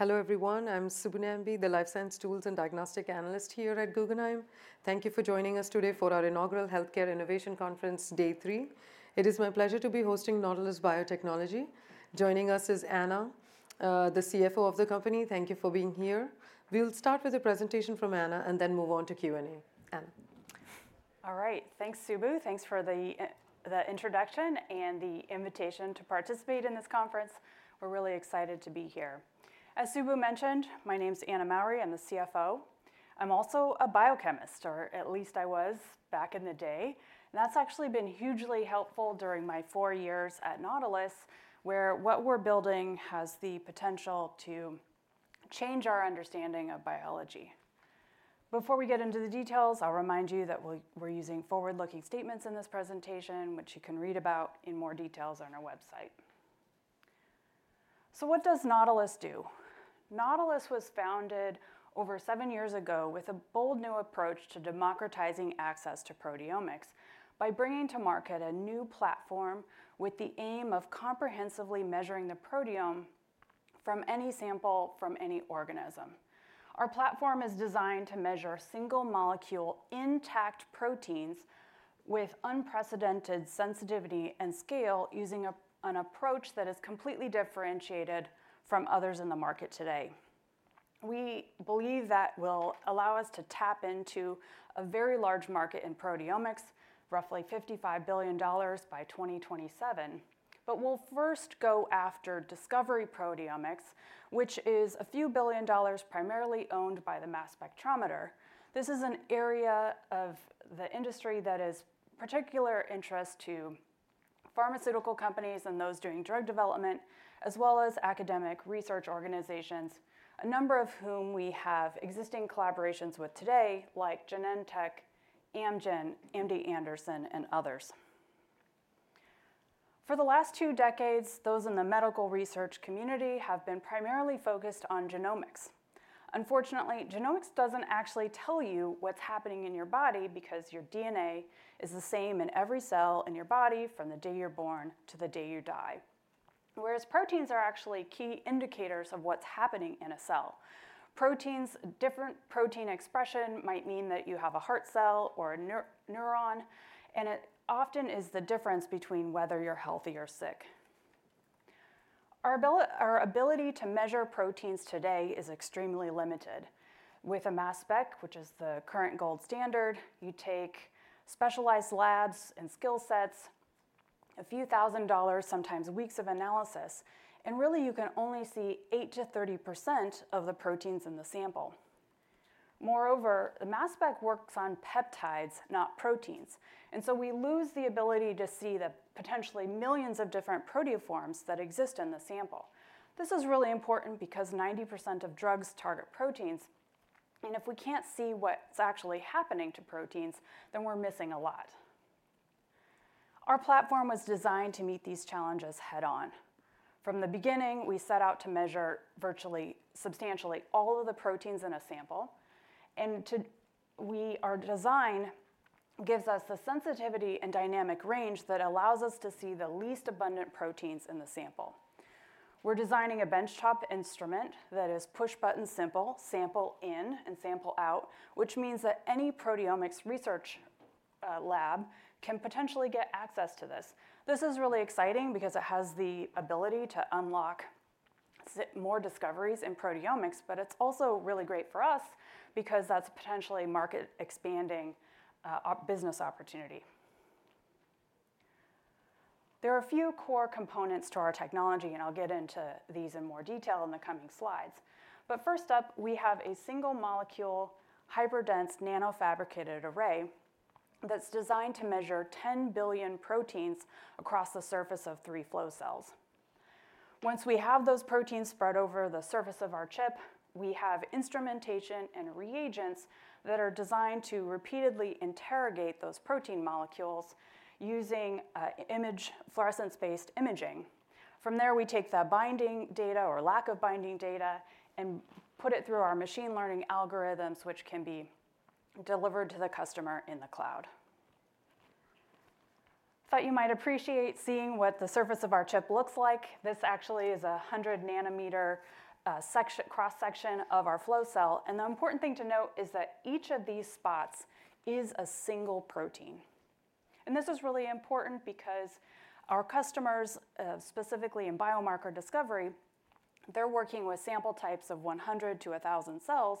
Hello, everyone. I'm Subbu Nambi, the Life Science Tools and Diagnostics Analyst here at Guggenheim. Thank you for joining us today for our inaugural Healthcare Innovation Conference, Day 3. It is my pleasure to be hosting Nautilus Biotechnology. Joining us is Anna, the CFO of the company. Thank you for being here. We'll start with a presentation from Anna and then move on to Q&A. Anna. All right. Thanks, Subbu. Thanks for the introduction and the invitation to participate in this conference. We're really excited to be here. As Subbu mentioned, my name's Anna Mowry. I'm the CFO. I'm also a biochemist, or at least I was back in the day. That's actually been hugely helpful during my four years at Nautilus, where what we're building has the potential to change our understanding of biology. Before we get into the details, I'll remind you that we're using forward-looking statements in this presentation, which you can read about in more details on our website. What does Nautilus do? Nautilus was founded over seven years ago with a bold new approach to democratizing access to proteomics by bringing to market a new platform with the aim of comprehensively measuring the proteome from any sample from any organism. Our platform is designed to measure single-molecule intact proteins with unprecedented sensitivity and scale using an approach that is completely differentiated from others in the market today. We believe that will allow us to tap into a very large market in proteomics, roughly $55 billion by 2027. But we'll first go after discovery proteomics, which is a few billion dollars primarily owned by the mass spectrometer. This is an area of the industry that is of particular interest to pharmaceutical companies and those doing drug development, as well as academic research organizations, a number of whom we have existing collaborations with today, like Genentech, Amgen, MD Anderson, and others. For the last two decades, those in the medical research community have been primarily focused on genomics. Unfortunately, genomics doesn't actually tell you what's happening in your body because your DNA is the same in every cell in your body from the day you're born to the day you die, whereas proteins are actually key indicators of what's happening in a cell. Different protein expression might mean that you have a heart cell or a neuron, and it often is the difference between whether you're healthy or sick. Our ability to measure proteins today is extremely limited. With a mass spec, which is the current gold standard, you take specialized labs and skill sets, a few thousand dollars, sometimes weeks of analysis, and really, you can only see 8%-30% of the proteins in the sample. Moreover, the mass spec works on peptides, not proteins. And so we lose the ability to see the potentially millions of different proteoforms that exist in the sample. This is really important because 90% of drugs target proteins, and if we can't see what's actually happening to proteins, then we're missing a lot. Our platform was designed to meet these challenges head-on. From the beginning, we set out to measure virtually substantially all of the proteins in a sample, and our design gives us the sensitivity and dynamic range that allows us to see the least abundant proteins in the sample. We're designing a benchtop instrument that is push-button simple, sample in and sample out, which means that any proteomics research lab can potentially get access to this. This is really exciting because it has the ability to unlock more discoveries in proteomics, but it's also really great for us because that's a potentially market-expanding business opportunity. There are a few core components to our technology, and I'll get into these in more detail in the coming slides. But first up, we have a single-molecule hyperdense nanofabricated array that's designed to measure 10 billion proteins across the surface of three flow cells. Once we have those proteins spread over the surface of our chip, we have instrumentation and reagents that are designed to repeatedly interrogate those protein molecules using image fluorescence-based imaging. From there, we take that binding data or lack of binding data and put it through our machine learning algorithms, which can be delivered to the customer in the cloud. I thought you might appreciate seeing what the surface of our chip looks like. This actually is a 100-nanometer cross-section of our flow cell. And the important thing to note is that each of these spots is a single protein. And this is really important because our customers, specifically in biomarker discovery, they're working with sample types of 100-1,000 cells.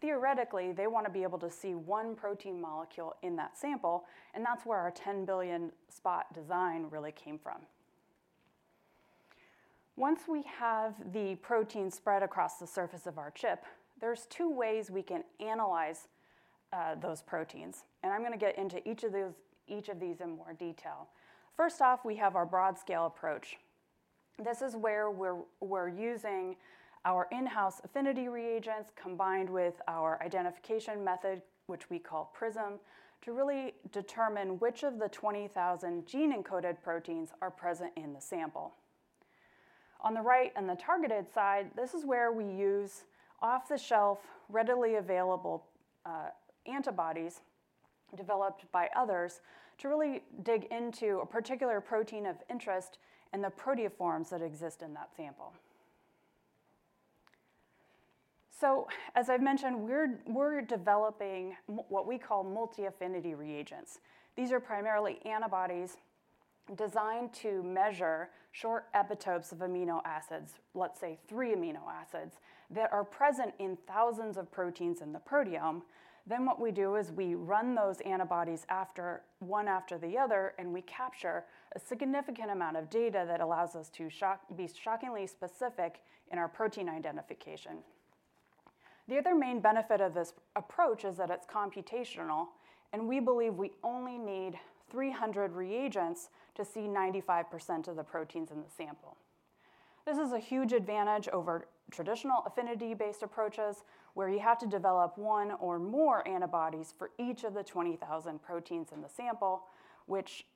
Theoretically, they want to be able to see one protein molecule in that sample. That's where our 10 billion spot design really came from. Once we have the protein spread across the surface of our chip, there's two ways we can analyze those proteins. I'm going to get into each of these in more detail. First off, we have our broad-scale approach. This is where we're using our in-house affinity reagents combined with our identification method, which we call PRISM, to really determine which of the 20,000 gene-encoded proteins are present in the sample. On the right and the targeted side, this is where we use off-the-shelf, readily available antibodies developed by others to really dig into a particular protein of interest and the proteoforms that exist in that sample. As I've mentioned, we're developing what we call multi-affinity reagents. These are primarily antibodies designed to measure short epitopes of amino acids, let's say three amino acids, that are present in thousands of proteins in the proteome. Then what we do is we run those antibodies one after the other, and we capture a significant amount of data that allows us to be shockingly specific in our protein identification. The other main benefit of this approach is that it's computational, and we believe we only need 300 reagents to see 95% of the proteins in the sample. This is a huge advantage over traditional affinity-based approaches, where you have to develop one or more antibodies for each of the 20,000 proteins in the sample, which,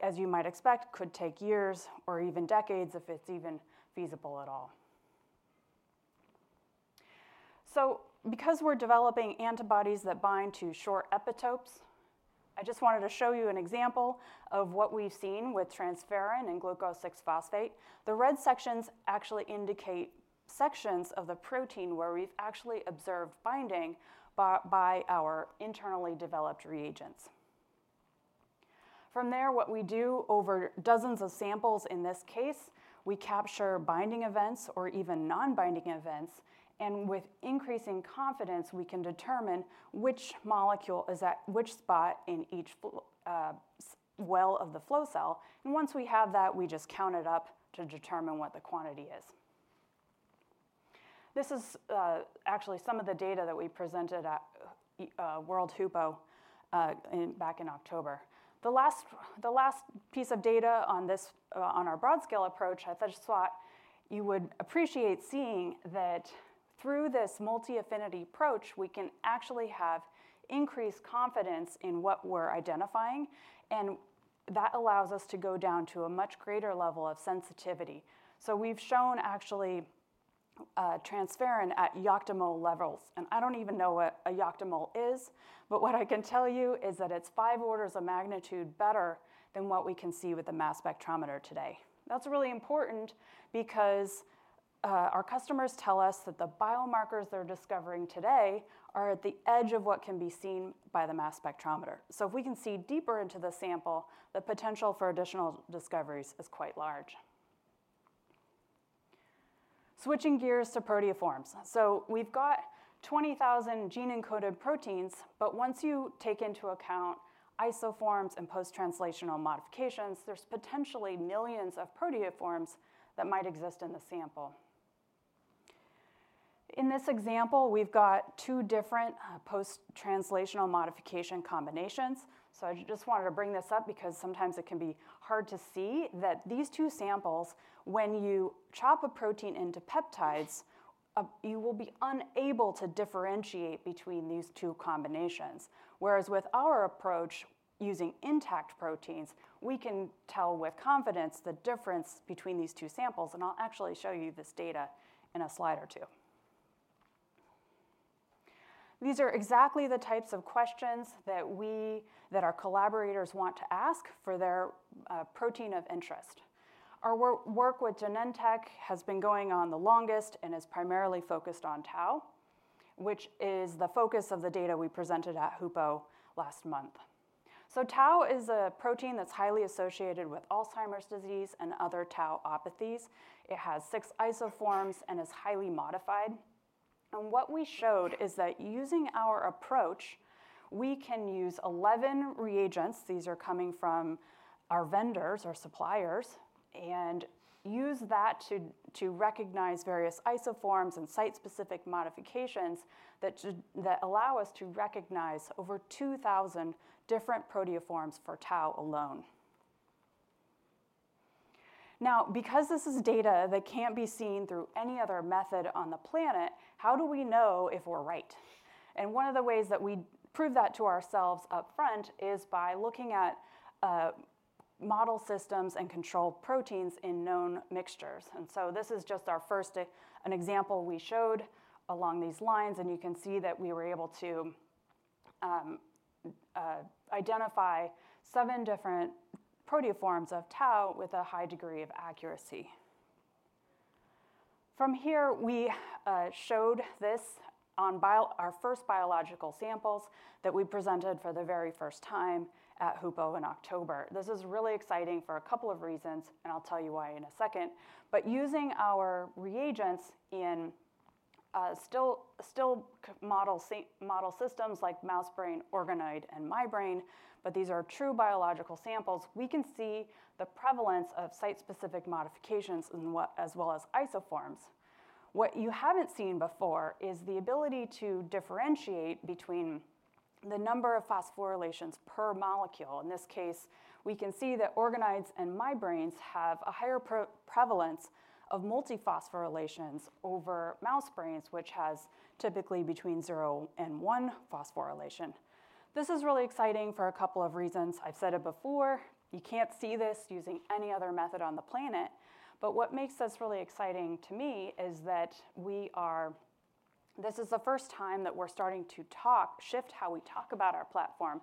as you might expect, could take years or even decades if it's even feasible at all. So, because we're developing antibodies that bind to short epitopes, I just wanted to show you an example of what we've seen with transferrin and glucose-6-phosphate. The red sections actually indicate sections of the protein where we've actually observed binding by our internally developed reagents. From there, what we do over dozens of samples in this case, we capture binding events or even non-binding events. And with increasing confidence, we can determine which molecule is at which spot in each well of the flow cell. And once we have that, we just count it up to determine what the quantity is. This is actually some of the data that we presented at World HUPO back in October. The last piece of data on our broad-scale approach, I thought you would appreciate seeing that through this multi-affinity approach, we can actually have increased confidence in what we're identifying. And that allows us to go down to a much greater level of sensitivity. So we've shown actually transferrin at yoctomole levels. And I don't even know what a yoctomole is, but what I can tell you is that it's five orders of magnitude better than what we can see with the mass spectrometer today. That's really important because our customers tell us that the biomarkers they're discovering today are at the edge of what can be seen by the mass spectrometer. So if we can see deeper into the sample, the potential for additional discoveries is quite large. Switching gears to proteoforms. So we've got 20,000 gene-encoded proteins, but once you take into account isoforms and post-translational modifications, there's potentially millions of proteoforms that might exist in the sample. In this example, we've got two different post-translational modification combinations. So I just wanted to bring this up because sometimes it can be hard to see that these two samples, when you chop a protein into peptides, you will be unable to differentiate between these two combinations. Whereas with our approach using intact proteins, we can tell with confidence the difference between these two samples. And I'll actually show you this data in a slide or two. These are exactly the types of questions that our collaborators want to ask for their protein of interest. Our work with Genentech has been going on the longest and is primarily focused on Tau, which is the focus of the data we presented at HUPO last month. So Tau is a protein that's highly associated with Alzheimer's disease and other tauopathies. It has six isoforms and is highly modified. And what we showed is that using our approach, we can use 11 reagents. These are coming from our vendors or suppliers and use that to recognize various isoforms and site-specific modifications that allow us to recognize over 2,000 different proteoforms for tau alone. Now, because this is data that can't be seen through any other method on the planet, how do we know if we're right? And one of the ways that we prove that to ourselves upfront is by looking at model systems and control proteins in known mixtures. And so this is just our first example we showed along these lines. And you can see that we were able to identify seven different proteoforms of tau with a high degree of accuracy. From here, we showed this on our first biological samples that we presented for the very first time at HUPO in October. This is really exciting for a couple of reasons, and I'll tell you why in a second. But using our reagents in simple model systems like mouse brain, organoid, and human brain, but these are true biological samples, we can see the prevalence of site-specific modifications as well as isoforms. What you haven't seen before is the ability to differentiate between the number of phosphorylations per molecule. In this case, we can see that organoids and human brains have a higher prevalence of multi-phosphorylations over mouse brains, which has typically between 0 and 1 phosphorylation. This is really exciting for a couple of reasons. I've said it before. You can't see this using any other method on the planet. But what makes this really exciting to me is that this is the first time that we're starting to shift how we talk about our platform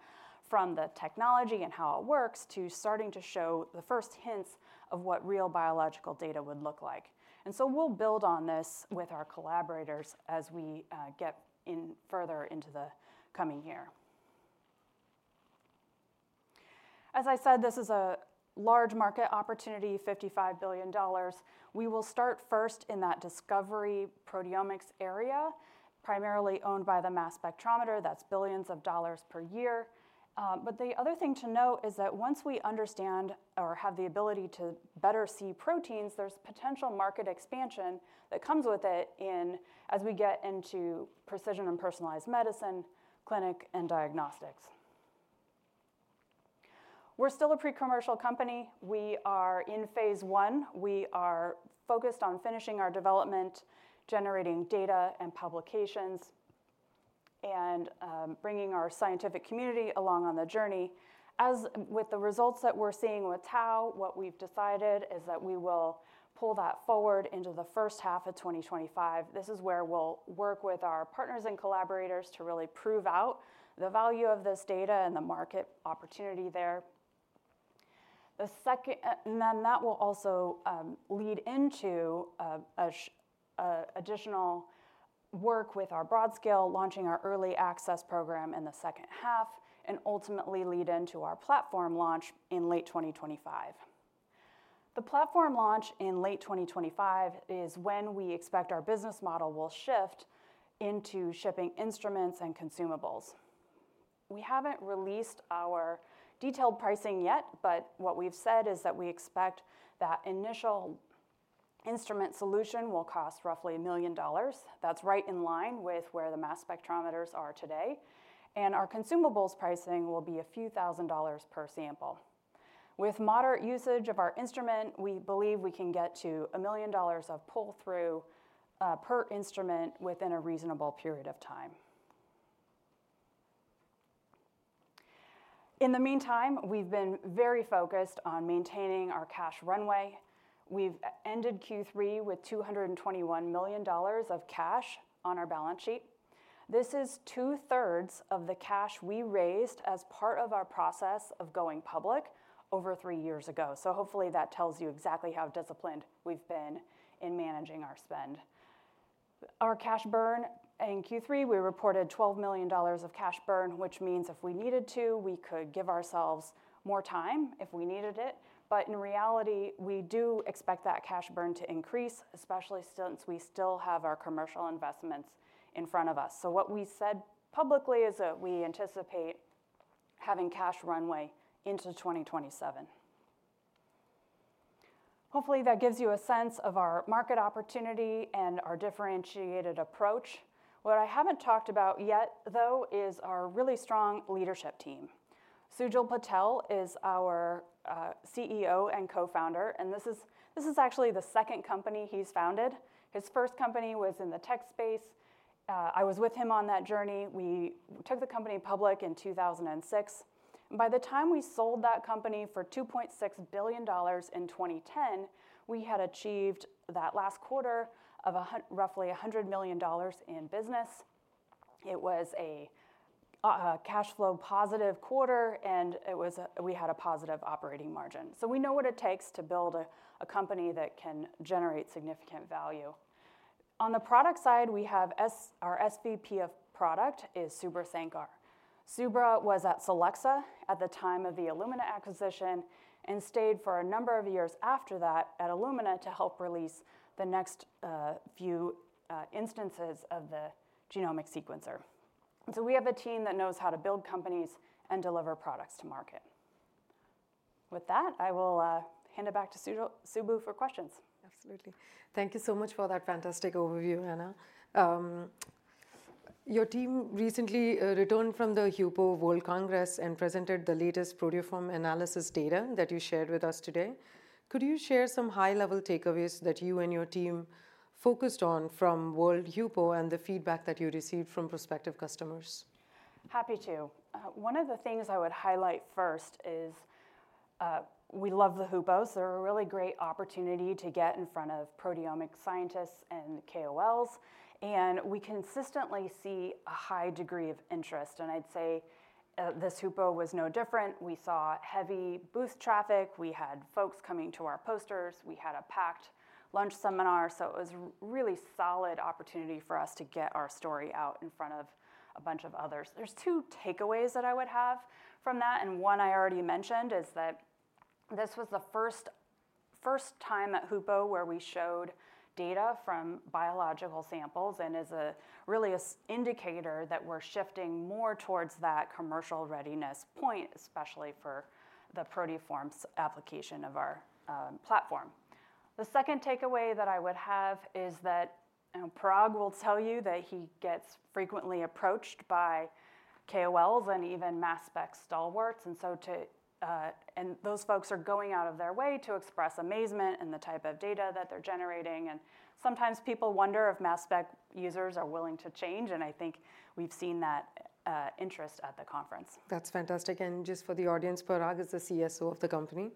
from the technology and how it works to starting to show the first hints of what real biological data would look like. We'll build on this with our collaborators as we get further into the coming year. As I said, this is a large market opportunity, $55 billion. We will start first in that discovery proteomics area, primarily owned by the mass spectrometer. That's billions of dollars per year. But the other thing to note is that once we understand or have the ability to better see proteins, there's potential market expansion that comes with it as we get into precision and personalized medicine, clinical, and diagnostics. We're still a pre-commercial company. We are in phase one. We are focused on finishing our development, generating data and publications, and bringing our scientific community along on the journey. As with the results that we're seeing with tau, what we've decided is that we will pull that forward into the first half of 2025. This is where we'll work with our partners and collaborators to really prove out the value of this data and the market opportunity there, and then that will also lead into additional work with our broad-scale launching our early access program in the second half and ultimately lead into our platform launch in late 2025. The platform launch in late 2025 is when we expect our business model will shift into shipping instruments and consumables. We haven't released our detailed pricing yet, but what we've said is that we expect that initial instrument solution will cost roughly $1 million. That's right in line with where the mass spectrometers are today, and our consumables pricing will be a few thousand dollars per sample. With moderate usage of our instrument, we believe we can get to $1 million of pull-through per instrument within a reasonable period of time. In the meantime, we've been very focused on maintaining our cash runway. We've ended Q3 with $221 million of cash on our balance sheet. This is two-thirds of the cash we raised as part of our process of going public over three years ago. So hopefully, that tells you exactly how disciplined we've been in managing our spend. Our cash burn in Q3, we reported $12 million of cash burn, which means if we needed to, we could give ourselves more time if we needed it. But in reality, we do expect that cash burn to increase, especially since we still have our commercial investments in front of us. So what we said publicly is that we anticipate having cash runway into 2027. Hopefully, that gives you a sense of our market opportunity and our differentiated approach. What I haven't talked about yet, though, is our really strong leadership team. Sujal Patel is our CEO and co-founder, and this is actually the second company he's founded. His first company was in the tech space. I was with him on that journey. We took the company public in 2006, and by the time we sold that company for $2.6 billion in 2010, we had achieved that last quarter of roughly $100 million in business. It was a cash flow positive quarter, and we had a positive operating margin, so we know what it takes to build a company that can generate significant value. On the product side, our SVP of product is Subra Sankar. Subra was at Solexa at the time of the Illumina acquisition and stayed for a number of years after that at Illumina to help release the next few instances of the genomic sequencer. So we have a team that knows how to build companies and deliver products to market. With that, I will hand it back to Subbu for questions. Absolutely. Thank you so much for that fantastic overview, Anna. Your team recently returned from the HUPO World Congress and presented the latest proteoform analysis data that you shared with us today. Could you share some high-level takeaways that you and your team focused on from World HUPO and the feedback that you received from prospective customers? Happy to. One of the things I would highlight first is we love the HUPOs. They're a really great opportunity to get in front of proteomic scientists and KOLs, and we consistently see a high degree of interest, and I'd say this HUPO was no different. We saw heavy booth traffic. We had folks coming to our posters. We had a packed lunch seminar, so it was a really solid opportunity for us to get our story out in front of a bunch of others. There's two takeaways that I would have from that, and one I already mentioned is that this was the first time at HUPO where we showed data from biological samples and is really an indicator that we're shifting more towards that commercial readiness point, especially for the proteoforms application of our platform. The second takeaway that I would have is that Prag will tell you that he gets frequently approached by KOLs and even mass spec stalwarts, and those folks are going out of their way to express amazement in the type of data that they're generating, and sometimes people wonder if mass spec users are willing to change, and I think we've seen that interest at the conference. That's fantastic. And just for the audience, Prag is the CSO of the company.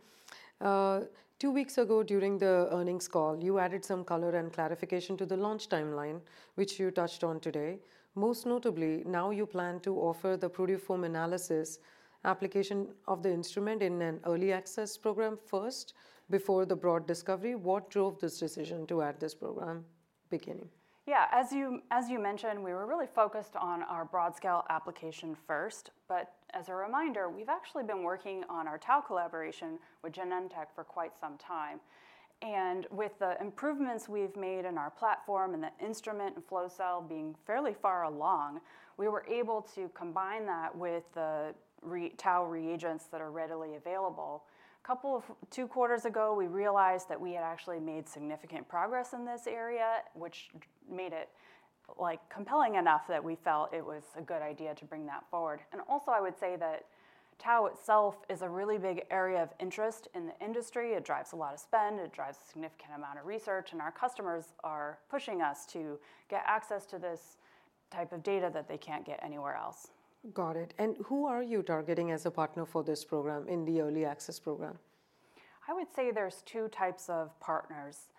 Two weeks ago during the earnings call, you added some color and clarification to the launch timeline, which you touched on today. Most notably, now you plan to offer the proteoform analysis application of the instrument in an early access program first before the broad discovery. What drove this decision to add this program beginning? Yeah. As you mentioned, we were really focused on our broad-scale application first. But as a reminder, we've actually been working on our Tau collaboration with Genentech for quite some time. And with the improvements we've made in our platform and the instrument and flow cell being fairly far along, we were able to combine that with the Tau reagents that are readily available. Two quarters ago, we realized that we had actually made significant progress in this area, which made it compelling enough that we felt it was a good idea to bring that forward. And also, I would say that Tau itself is a really big area of interest in the industry. It drives a lot of spend. It drives a significant amount of research. And our customers are pushing us to get access to this type of data that they can't get anywhere else. Got it. And who are you targeting as a partner for this program in the early access program? I would say there's two types of partners.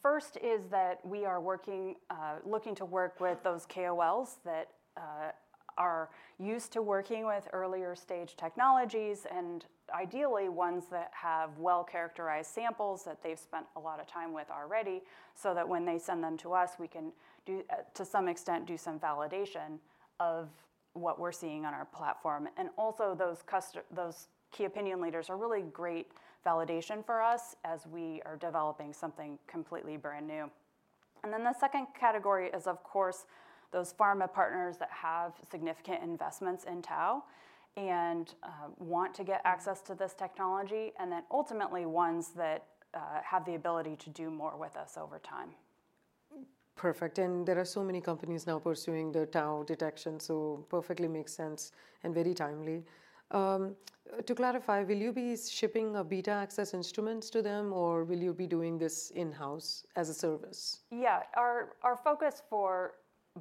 First is that we are looking to work with those KOLs that are used to working with earlier stage technologies and ideally ones that have well-characterized samples that they've spent a lot of time with already so that when they send them to us, we can, to some extent, do some validation of what we're seeing on our platform. And also, those key opinion leaders are really great validation for us as we are developing something completely brand new. And then the second category is, of course, those pharma partners that have significant investments in tau and want to get access to this technology and then ultimately ones that have the ability to do more with us over time. Perfect. And there are so many companies now pursuing the Tau detection. So perfectly makes sense and very timely. To clarify, will you be shipping beta access instruments to them, or will you be doing this in-house as a service? Yeah. Our focus for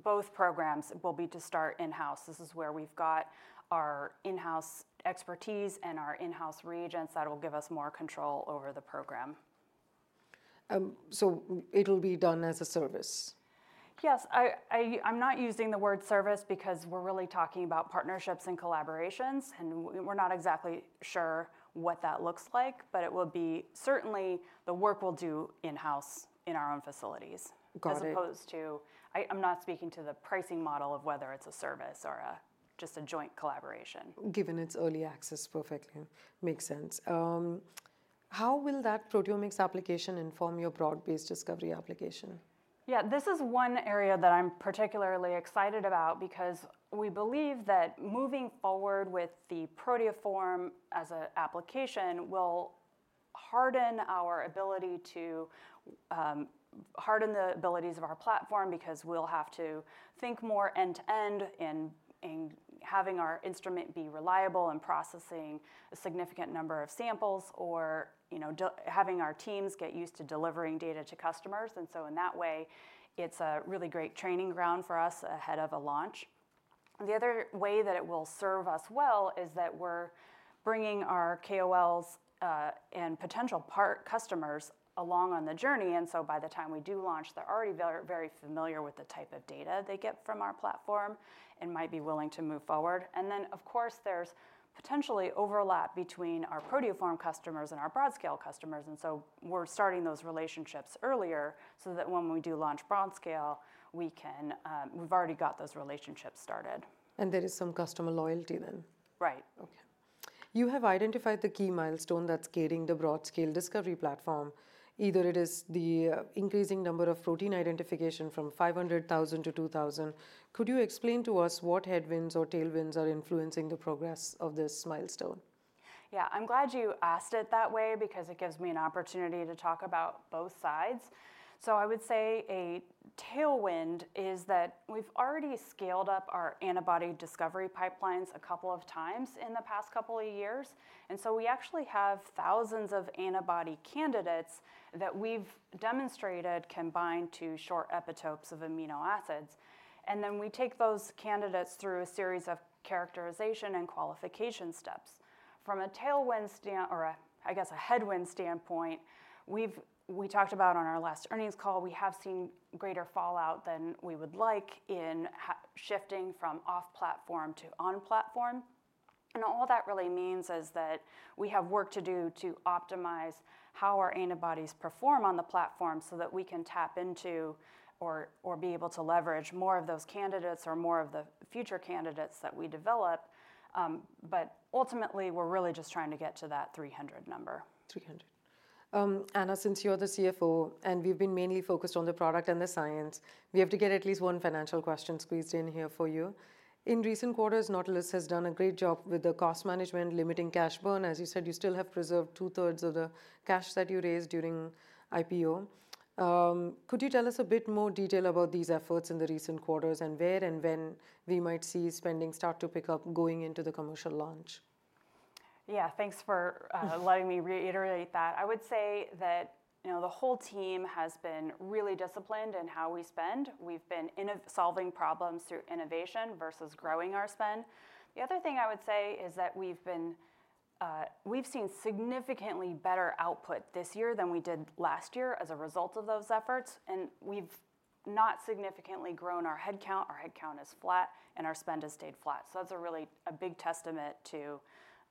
both programs will be to start in-house. This is where we've got our in-house expertise and our in-house reagents that will give us more control over the program. So it'll be done as a service? Yes. I'm not using the word service because we're really talking about partnerships and collaborations. And we're not exactly sure what that looks like. But it will be certainly the work we'll do in-house in our own facilities as opposed to. I'm not speaking to the pricing model of whether it's a service or just a joint collaboration. Given its early access, perfectly makes sense. How will that proteomics application inform your broad-based discovery application? Yeah. This is one area that I'm particularly excited about because we believe that moving forward with the proteoform as an application will harden our ability to harden the abilities of our platform because we'll have to think more end-to-end in having our instrument be reliable in processing a significant number of samples or having our teams get used to delivering data to customers. And so in that way, it's a really great training ground for us ahead of a launch. The other way that it will serve us well is that we're bringing our KOLs and potential customers along on the journey. And so by the time we do launch, they're already very familiar with the type of data they get from our platform and might be willing to move forward. And then, of course, there's potentially overlap between our proteoform customers and our broad-scale customers. And so we're starting those relationships earlier so that when we do launch broad-scale, we've already got those relationships started. There is some customer loyalty then. Right. Okay. You have identified the key milestone that's getting the broad-scale discovery platform. Either it is the increasing number of protein identification from 500,000-2,000. Could you explain to us what headwinds or tailwinds are influencing the progress of this milestone? Yeah. I'm glad you asked it that way because it gives me an opportunity to talk about both sides. So I would say a tailwind is that we've already scaled up our antibody discovery pipelines a couple of times in the past couple of years. And so we actually have thousands of antibody candidates that we've demonstrated bind to short epitopes of amino acids. And then we take those candidates through a series of characterization and qualification steps. From a tailwind or, I guess, a headwind standpoint, we talked about on our last earnings call, we have seen greater fallout than we would like in shifting from off-platform to on-platform. And all that really means is that we have work to do to optimize how our antibodies perform on the platform so that we can tap into or be able to leverage more of those candidates or more of the future candidates that we develop. But ultimately, we're really just trying to get to that 300 number. Anna, since you're the CFO and we've been mainly focused on the product and the science, we have to get at least one financial question squeezed in here for you. In recent quarters, Nautilus has done a great job with the cost management, limiting cash burn. As you said, you still have preserved two-thirds of the cash that you raised during IPO. Could you tell us a bit more detail about these efforts in the recent quarters and where and when we might see spending start to pick up going into the commercial launch? Yeah. Thanks for letting me reiterate that. I would say that the whole team has been really disciplined in how we spend. We've been solving problems through innovation versus growing our spend. The other thing I would say is that we've seen significantly better output this year than we did last year as a result of those efforts. And we've not significantly grown our headcount. Our headcount is flat, and our spend has stayed flat. So that's a really big testament to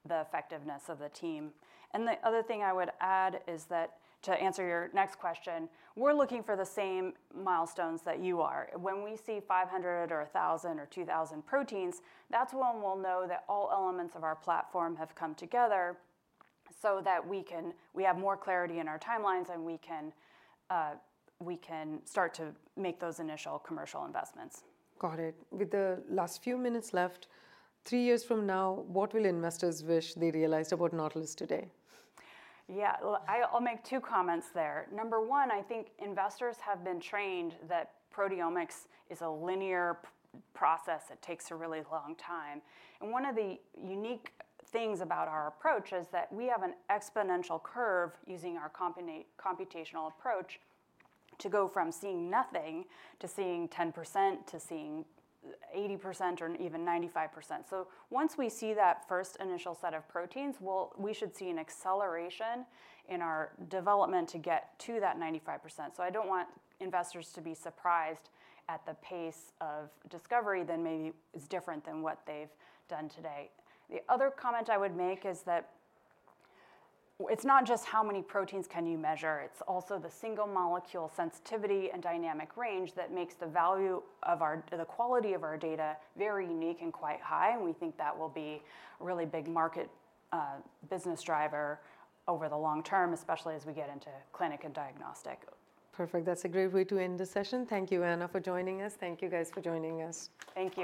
the effectiveness of the team. And the other thing I would add is that to answer your next question, we're looking for the same milestones that you are. When we see 500 or 1,000 or 2,000 proteins, that's when we'll know that all elements of our platform have come together so that we have more clarity in our timelines and we can start to make those initial commercial investments. Got it. With the last few minutes left, three years from now, what will investors wish they realized about Nautilus today? Yeah. I'll make two comments there. Number one, I think investors have been trained that proteomics is a linear process. It takes a really long time. And one of the unique things about our approach is that we have an exponential curve using our computational approach to go from seeing nothing to seeing 10% to seeing 80% or even 95%. So once we see that first initial set of proteins, we should see an acceleration in our development to get to that 95%. So I don't want investors to be surprised at the pace of discovery than maybe is different than what they've done today. The other comment I would make is that it's not just how many proteins can you measure. It's also the single molecule sensitivity and dynamic range that makes the value of the quality of our data very unique and quite high. We think that will be a really big market business driver over the long term, especially as we get into clinic and diagnostic. Perfect. That's a great way to end the session. Thank you, Anna, for joining us. Thank you, guys, for joining us. Thank you.